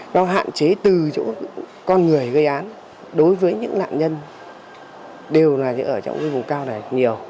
nó hạn chế từ chỗ con người gây án đối với những nạn nhân đều là ở trong vùng cao này nhiều